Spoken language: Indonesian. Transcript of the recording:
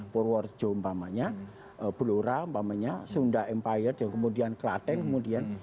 purworejo belora umpamanya sunda empire kemudian klaten kemudian